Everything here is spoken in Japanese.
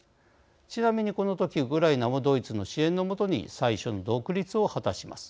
ちなみにこの時ウクライナもドイツの支援の下に最初の独立を果たします。